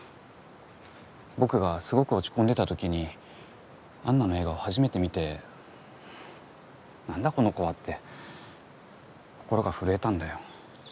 僕がすごく落ち込んでたときに安奈の映画を初めて見てなんだこの子はって心が震えたんだよ。